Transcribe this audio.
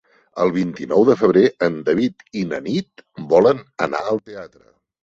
El vint-i-nou de febrer en David i na Nit volen anar al teatre.